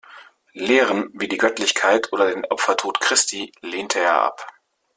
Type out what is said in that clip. Lehren wie die Göttlichkeit oder den Opfertod Christi lehnte er ab.